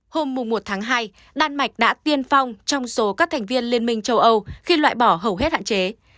hôm một tháng hai đan mạch đã tiên phong trong số các thành viên liên minh châu âu khi loại bỏ hầu hết hạn chế